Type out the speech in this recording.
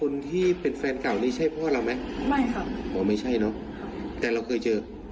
รักแม่เราไม่ดูแล้ว